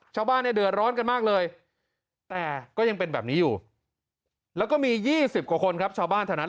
ชาวบ้านเนี่ยเดือดร้อนกันมากเลยแต่ก็ยังเป็นแบบนี้อยู่แล้วก็มี๒๐กว่าคนครับชาวบ้านแถวนั้น